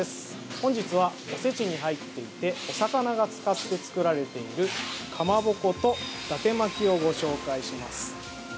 本日は、おせちに入っていてお魚を使って作られているかまぼこと、だて巻きをご紹介します。